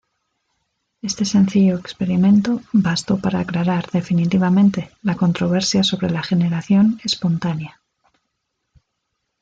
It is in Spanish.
Este sencillo experimento bastó para aclarar definitivamente la controversia sobre la generación espontánea.